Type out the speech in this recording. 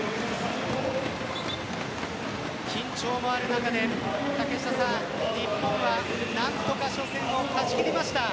緊張もある中で竹下さん日本は何とか初戦を勝ち切りました。